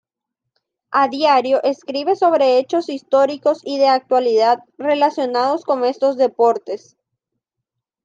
A diario escribe sobre hechos históricos y de actualidad relacionados con estos deportes.